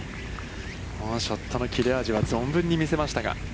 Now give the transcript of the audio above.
ショットの切れ味は存分に見せましたが。